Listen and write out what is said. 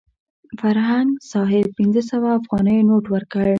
فرهنګ صاحب پنځه سوه افغانیو نوټ ورکړ.